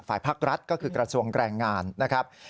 ภาครัฐก็คือกระทรวงแรงงานนะครับ